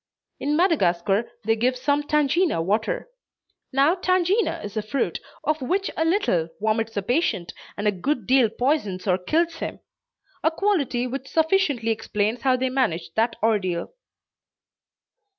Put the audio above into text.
In Madagascar they give some tangena water. Now tangena is a fruit of which a little vomits the patient, and a good deal poisons or kills him; a quality which sufficiently explains how they manage that ordeal.